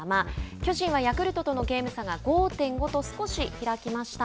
巨人はヤクルトとのゲーム差が５．５と少し開きました。